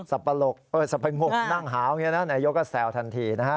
สับปะโลกเออสับปะโงกนั่งหาว่างเงี้ยนะนายกก็แซวทันทีนะฮะ